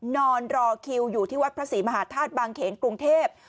นอนรอคิวอยู่ที่วัดพระศรีมหาธาตุบางเขนกรุงเทพ